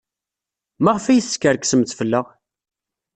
Maɣef ay teskerksemt fell-aɣ?